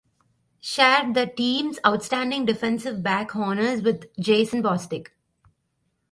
Shared the team?s Outstanding Defensive Back honors with Jason Bostic.